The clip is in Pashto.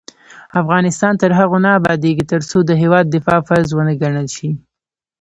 افغانستان تر هغو نه ابادیږي، ترڅو د هیواد دفاع فرض ونه ګڼل شي.